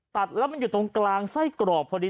ตัดแล้วมันอยู่ตรงกลางไส้กรอกพอดี